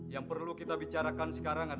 yang perlu kita bicarakan sekarang adalah